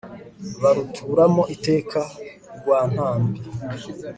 baruturamo iteka rwantambi